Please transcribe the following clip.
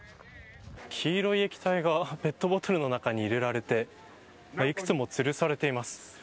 黄色い液体がペットボトルの中に入れられていくつもつるされています。